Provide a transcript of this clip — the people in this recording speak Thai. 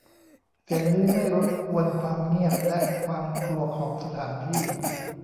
เสียงนี้ไม่รบกวนความเงียบและความกลัวของสถานที่